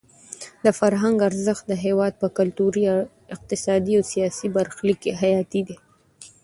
د فرهنګ ارزښت د هېواد په کلتوري، اقتصادي او سیاسي برخلیک کې حیاتي دی.